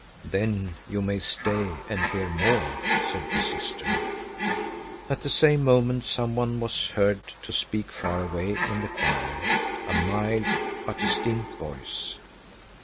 "Then you may stay and hear more," said the sister. At the same moment some one was heard to speak far away in the choir, a mild but distinct voice.